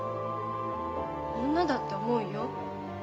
女だって思うよ。